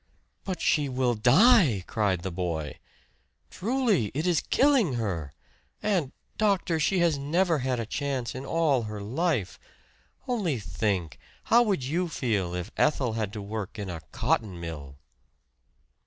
"But she will die!" cried the boy. "Truly, it is killing her! And, doctor, she has never had a chance in all her life! Only think how would you feel if Ethel had to work in a cotton mill?"